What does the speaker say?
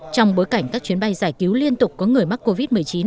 trong bối cảnh các chuyến bay giải cứu liên tục có người mắc covid một mươi chín